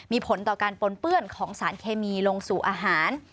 มีผลต่อการปนเปื้อนของสารเคมีลงสู่อาหาร